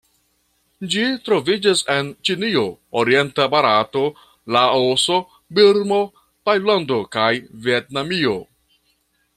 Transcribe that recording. Ĝi troviĝas en Ĉinio, orienta Barato, Laoso, Birmo, Tajlando kaj Vjetnamio.